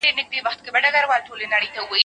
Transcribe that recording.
کتابي پوهه یوه خبره ده.